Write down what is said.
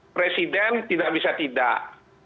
presiden tidak bisa tidak